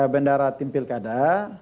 bendahara timpil kada